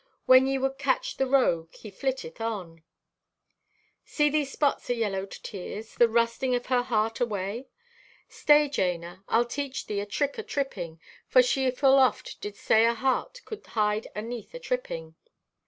When ye would catch the rogue he flitteth on.' "See, these spots o' yellowed tears—the rusting of her heart away! Stay, Jana, I'll teach thee a trick o' tripping, for she full oft did say a heart could hide aneath a tripping.